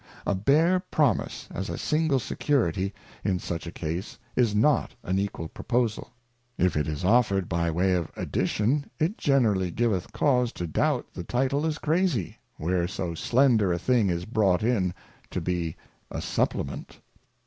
A bare Promise as a single Security in such a case is not an equal proposal ; if it is offered by way of addition, it generally giveth cause to doubt the Title is crazy, where so slender a thing is brought in to be a supplement.